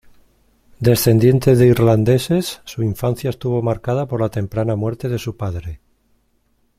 Descendiente de irlandeses, su infancia estuvo marcada por la temprana muerte de su padre.